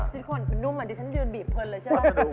ซิลิโคนมันนุ่มเหมือนที่ฉันยืนบีบเพลินเลยใช่ไหม